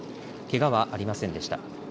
けがはありませんでした。